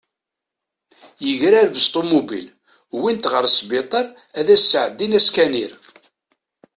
Yegrareb s tumubil, wint ɣer sbiṭar ad as-sɛeddin askaniṛ.